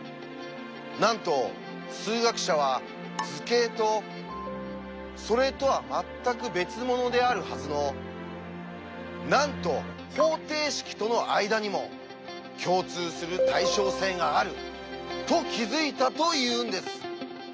なんと数学者は図形とそれとは全く別物であるはずのなんと方程式との間にも共通する「対称性」があると気付いたというんです！